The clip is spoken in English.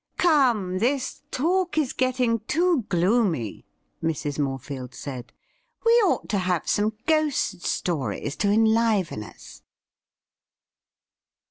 'Come, this talk is getting too gloomy,' Mrs. More iield said. ' We ought to have some ghost stoiies to enliven us.'